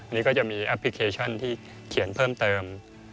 นี่ก็จะมีแอปพลิเคชันที่เขียนเพิ่มเติม